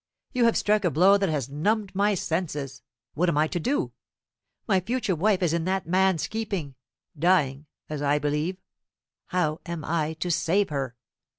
"You have struck a blow that has numbed my senses. What am I to do? My future wife is in that man's keeping dying, as I believe. How am I to save her?"